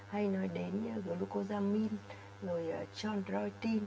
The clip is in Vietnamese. hay nói đến glucosamine rồi chondroitin